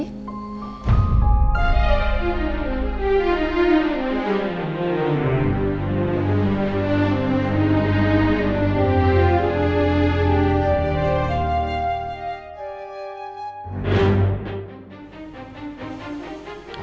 aku belum lapar